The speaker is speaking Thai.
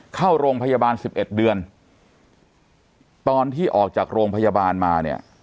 เข้าโรงพยาบาล๑๑เดือนตอนที่ออกจากโรงพยาบาลมาเนี่ย